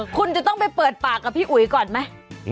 คุณจะต้องไปเปิดปากกับพี่อุ๋ยก่อนไหม